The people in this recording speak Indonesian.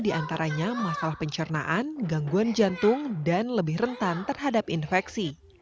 di antaranya masalah pencernaan gangguan jantung dan lebih rentan terhadap infeksi